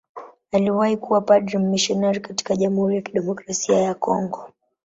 Aliwahi kuwa padri mmisionari katika Jamhuri ya Kidemokrasia ya Kongo.